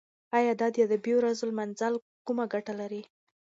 ایا د ادبي ورځو لمانځل کومه ګټه لري؟